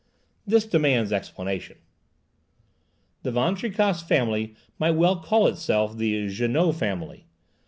This demands explanation. The Van Tricasse family might well call itself the "Jeannot family."